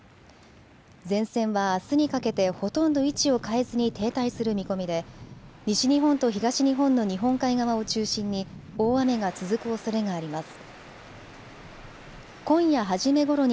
前線はあすにかけてほとんど位置を変えずに停滞する見込みで西日本と東日本の日本海側を中心に大雨が続くおそれがあります。